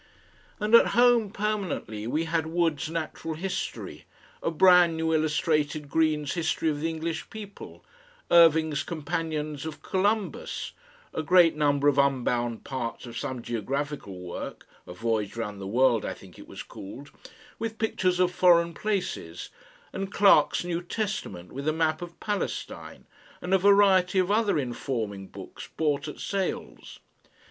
And at home permanently we had Wood's NATURAL HISTORY, a brand new illustrated Green's HISTORY OF THE ENGLISH PEOPLE, Irving's COMPANIONS OF COLUMBUS, a great number of unbound parts of some geographical work, a VOYAGE ROUND THE WORLD I think it was called, with pictures of foreign places, and Clarke's NEW TESTAMENT with a map of Palestine, and a variety of other informing books bought at sales.